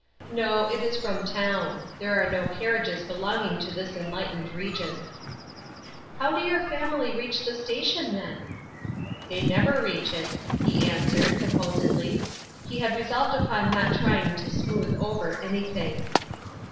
" No, it is from town. There are no carriages belonging to this enlightened region." " How do your family reach the station, then?'' "They never reach it," he answered, com posedly. He had resolved upon not trying to smooth over anything.